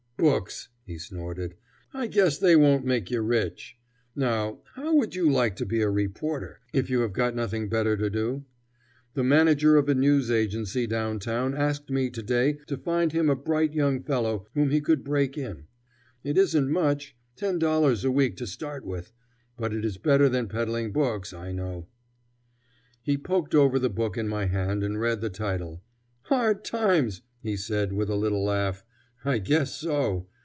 "Books!" he snorted. "I guess they won't make you rich. Now, how would you like to be a reporter, if you have got nothing better to do? The manager of a news agency down town asked me to day to find him a bright young fellow whom he could break in. It isn't much $10 a week to start with. But it is better than peddling books, I know." He poked over the book in my hand and read the title. "Hard Times," he said, with a little laugh. "I guess so.